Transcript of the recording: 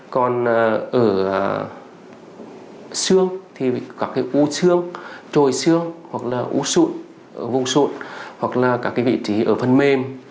còn ở xương thì các cái u xương trồi xương hoặc là u sụn ở vùng sụn hoặc là các cái vị trí ở phần mềm